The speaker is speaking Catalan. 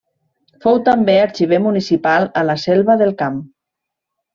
Fou també arxiver municipal a La Selva del Camp.